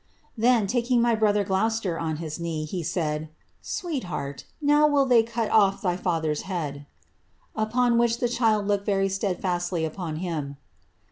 "^ Then, taking my brother Gloucester on his knee, he said, ' Si heart, now will they cut off thy Cither's head.' Upon which the looked very steadfastly upon him.